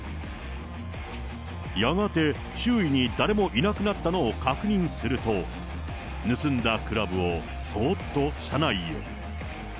やがて周囲に誰もいなくなったのを確認すると、盗んだクラブをそーっと車内へ。